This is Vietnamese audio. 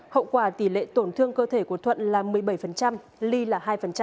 hậu quả tỷ lệ tổn thương cơ thể của thuận là một mươi bảy ly là hai